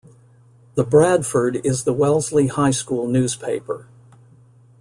The Bradford is the Wellesley High School newspaper.